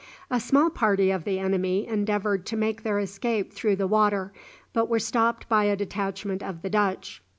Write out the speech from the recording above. A small party of the enemy endeavoured to make their escape through the water, but were stopped by a detachment of the Dutch.